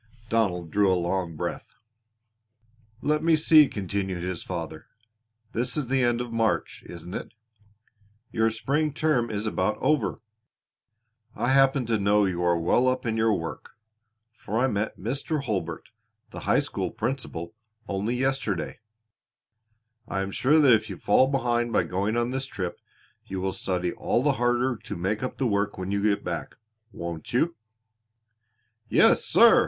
Donald drew a long breath. "Let me see," continued his father, "this is the end of March, isn't it? Your spring term is about over. I happen to know you are well up in your work, for I met Mr. Hurlbert, the high school principal, only yesterday. I am sure that if you fall behind by going on this trip you will study all the harder to make up the work when you get back, won't you?" "Yes, sir!"